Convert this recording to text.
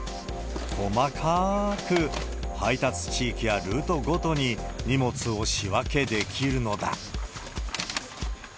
細かーく配達地域やルートごとに荷物を仕分けできるのだ。